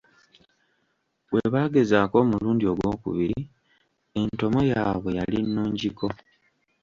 Bwe baagezaako omulundi ogwokubiri entomo yaabwe yali nnungiko.